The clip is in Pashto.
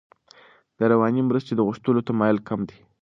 د رواني مرستې غوښتلو تمایل کم دی.